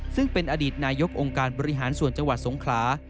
ซึ่งเป็นอดีตนายกองค์การบริหารส่วนจังหวัดสงขลา